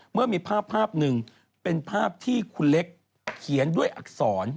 เมื่อมีภาพภาพหนึ่งเป็นภาพที่คุณเล็กเขียนด้วยอักษร